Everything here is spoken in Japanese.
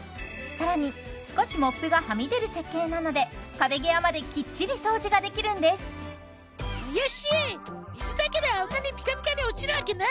更に少しモップがはみ出る設計なので壁際まできっちり掃除ができるんですいえ